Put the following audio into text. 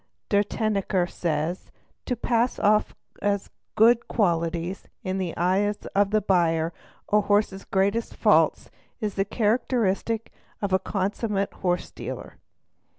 De Tennecker says:—' To pass _ off as good qualities in the eyes of the buyer a horse's greatest faults is the characteristic of a consummate horse dealer''.